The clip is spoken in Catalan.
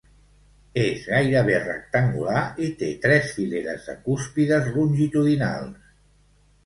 És gairebé rectangular i té tres fileres de cúspides longitudinals.